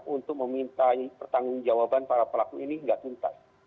untuk memintai pertanggung jawaban para pelaku ini nggak tuntas